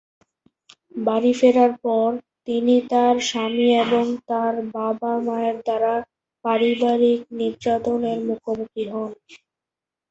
বাড়ি ফেরার পর, তিনি তার স্বামী এবং তার বাবা-মায়ের দ্বারা পারিবারিক নির্যাতনের মুখোমুখি হন।